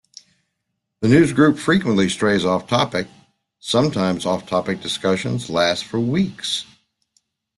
The newsgroup frequently strays off-topic; sometimes off-topic discussions last for weeks.